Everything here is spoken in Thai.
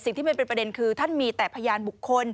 ที่เป็นประเด็นคือท่านมีแต่พยานบุคคล